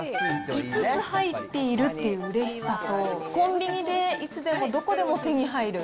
５つ入っているっていううれしさと、コンビニでいつでもどこでも手に入る。